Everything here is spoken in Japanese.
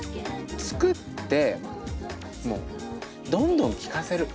作ってもうどんどん聴かせる。